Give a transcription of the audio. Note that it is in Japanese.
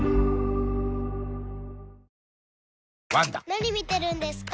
・何見てるんですか？